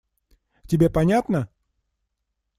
Тебе понятно?